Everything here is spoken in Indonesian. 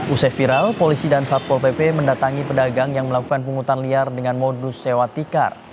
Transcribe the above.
usai viral polisi dan satpol pp mendatangi pedagang yang melakukan pungutan liar dengan modus sewa tikar